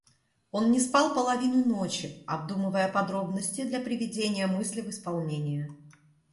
Он не спал половину ночи, обдумывая подробности для приведения мысли в исполнение.